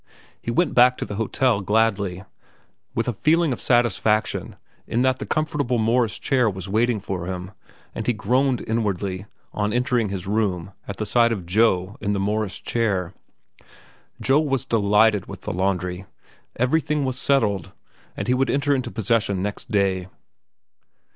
He went back to the hotel gladly, with a feeling of satisfaction in that the comfortable Morris chair was waiting for him; and he groaned inwardly, on entering his room, at sight of Joe in the Morris chair. Joe was delighted with the laundry. Everything was settled, and he would enter into possession next day.